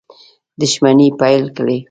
دښمني پیل کړي.